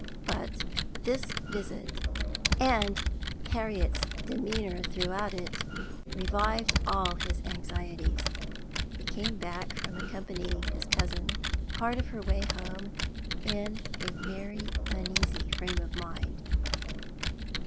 But this visit, and Harriet's demeanour throughout it, revived all his anxieties. He came back from accompanying his cousin part of her way home in a very uneasy frame of mind.